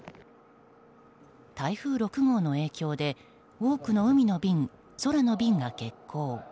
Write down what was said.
台風６号の影響で多くの海の便、空の便が欠航。